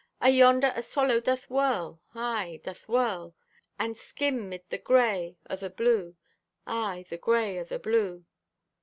Ayonder a swallow doth whirl, aye, doth whirl, And skim mid the grey o' the blue, Aye, the grey o' the blue.